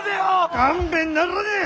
勘弁ならねえ！